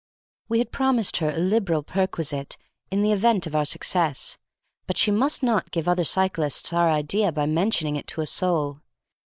We had promised her a liberal perquisite in the event of our success, but she must not give other cyclists our idea by mentioning it to a soul.